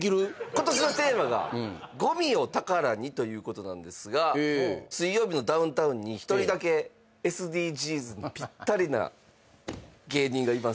今年のテーマが「ごみを宝に」ということなんですが、「水曜日のダウンタウン」に１人だけＳＤＧｓにぴったりな芸人がいます。